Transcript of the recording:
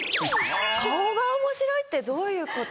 顔がおもしろいってどういうこと？